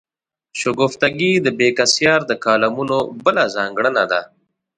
شګفتګي د بېکسیار د کالمونو بله ځانګړنه ده.